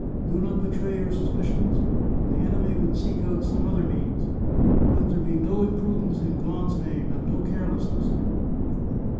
Do not betray your suspicions. The enemy would seek out some other means. Let there be no im prudence, in God's name, and no carelessness